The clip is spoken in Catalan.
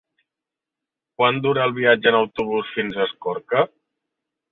Quant dura el viatge en autobús fins a Escorca?